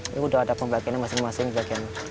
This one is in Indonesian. ini udah ada pembagiannya masing masing